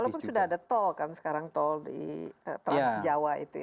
walaupun sudah ada tol kan sekarang tol di trans jawa itu